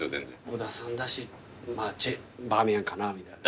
「小田さんだしバーミヤンかな」みたいな。